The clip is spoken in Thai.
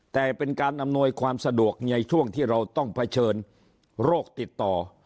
แต่เป็นการอำนวยความสะดวกในช่วงที่เราต้องเผชิญโรคติดต่อ